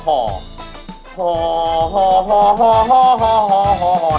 ห่อห่อห่อห่อห่อห่อห่อห่อห่อ